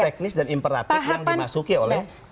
itu teknis dan imperatif yang dimasuki oleh nk